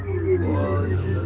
aku sudah tetapendang